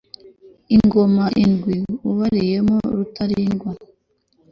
ingoma ndwi ubariyemo rutalindwa